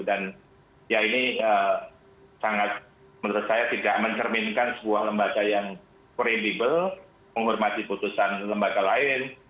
dan ya ini sangat menurut saya tidak mencerminkan sebuah lembaga yang kredibel menghormati keputusan lembaga lain